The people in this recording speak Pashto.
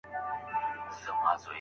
واردات باید په سم ډول کنټرول شي.